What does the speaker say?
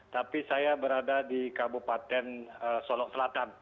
tapi saya berada di kabupaten solok selatan